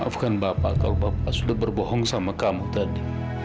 maafkan bapak kalau bapak sudah berbohong sama kamu tadi